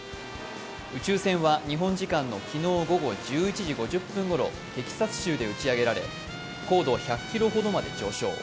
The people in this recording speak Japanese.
宇宙船は日本時間の昨日午後１１時５０分ごろテキサス州で打ち上げられ、高度１００ｋｍほどまで上昇。